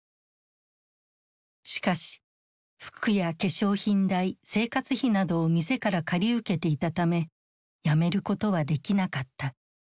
しかし服や化粧品代生活費などを店から借り受けていたため辞めることはできなかった。